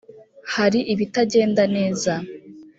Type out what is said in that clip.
hari ibitagenda neza